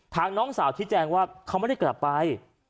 น้องสาวที่แจ้งว่าเขาไม่ได้กลับไป